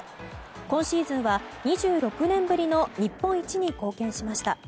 今シーズンは２６年ぶりの日本一に貢献しました。